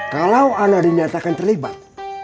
kalo anak dinyatakan terlibat